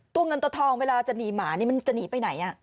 เงินตัวทองเวลาจะหนีหมานี่มันจะหนีไปไหน